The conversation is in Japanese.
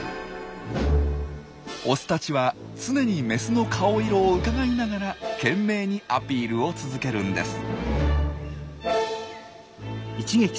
オスたちは常にメスの顔色をうかがいながら懸命にアピールを続けるんです。